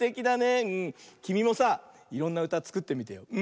きみもさいろんなうたつくってみてよ。